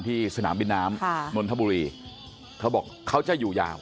ที่สนามบินน้ำค่ะนวลธบุรีเขาบอกเขาจะอยู่ยาว